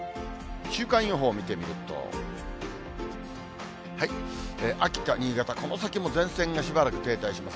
週間予報を見てみると、秋田、新潟、この先も前線がしばらく停滞します。